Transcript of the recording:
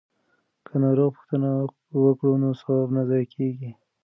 که ناروغ پوښتنه وکړو نو ثواب نه ضایع کیږي.